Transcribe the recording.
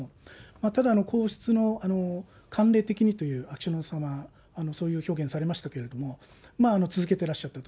ただ皇室の慣例的に、秋篠宮さま、そういう表現をされましたけれども、続けてらっしゃったと。